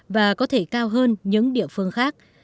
và có thể cao hơn những địa phương khác